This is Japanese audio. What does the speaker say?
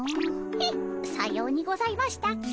えっさようにございましたっけ？